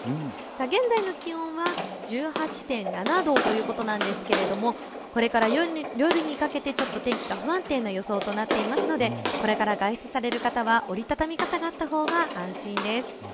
現在の気温は１８．７度ということなんですけれどもこれから夜にかけてちょっと天気が不安定な予想となっていますのでこれから外出される方は折り畳みの傘があったほうが安心です。